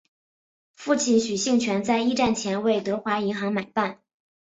父亲许杏泉在一战前为德华银行买办。